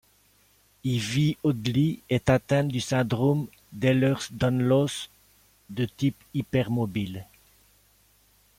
Yvie Oddly est atteinte du Syndrome d'Ehlers-Danlos de type hypermobile.